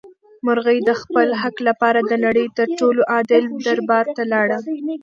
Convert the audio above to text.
مرغۍ د خپل حق لپاره د نړۍ تر ټولو عادل دربار ته لاړه.